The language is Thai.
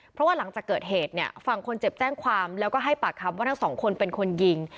เพราะว่าหลังจากเกิดเหตุเนี่ยฝั่งคนเจ็บแจ้งความแล้วก็ให้ปากคำว่าทั้งสองคนเป็นคนยิง